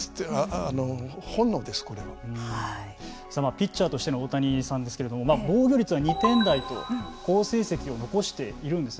ピッチャーとしての大谷さんですけれども防御率は２点台と好成績を残しているんですね。